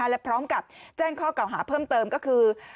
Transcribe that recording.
และพร้อมกับแจ้งข้อเก่าหาเพิ่มเติมก็คือ